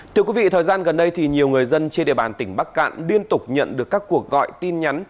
thưa quý vị thời gian gần đây thì nhiều người dân trên địa bàn tỉnh bắc cạn liên tục nhận được các cuộc gọi tin nhắn